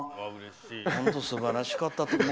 本当すばらしかった。